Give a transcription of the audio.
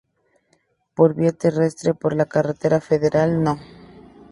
Por vía terrestre por la carretera Federal No.